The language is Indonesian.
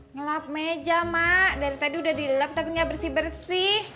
ngelap meja mak dari tadi udah dilap tapi nggak bersih bersih